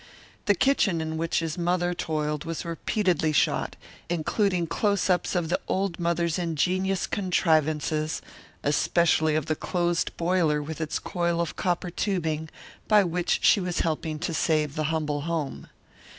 The kitchen in which his mother toiled was repeatedly shot, including close ups of the old mother's ingenious contrivances especially of the closed boiler with its coil of copper tubing by which she was helping to save the humble home.